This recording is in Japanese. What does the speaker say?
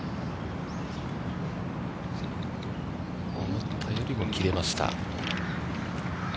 思ったよりも切れました。